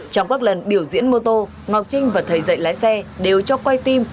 trong các lần biểu diễn mô tô ngọc trinh và thầy dạy lái xe đều cho quay phim